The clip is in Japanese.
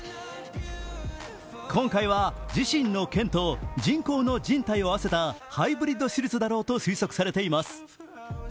今回は自身のけんと人工のじん帯とを合わせたハイブリッド手術だろうと推測されています。